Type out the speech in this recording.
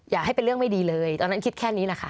อย่าให้เป็นเรื่องไม่ดีเลยตอนนั้นคิดแค่นี้แหละค่ะ